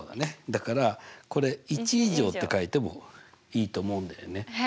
だからこれ１以上って書いてもいいと思うんだよね。